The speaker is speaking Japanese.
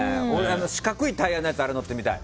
四角いタイヤのやつ乗ってみたい。